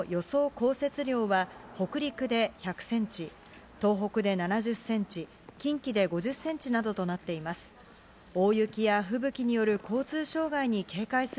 降雪量は、北陸で１００センチ、東北で７０センチ、近畿で５０センチなどとなっています。